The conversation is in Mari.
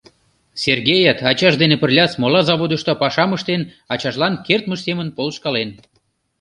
Сергеят ачаж дене пырля смола заводышто пашам ыштен, ачажлан кертмыж семын полышкален.